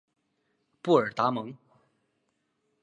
布尔达蒙。